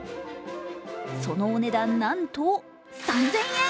そのお値段、なんと３０００円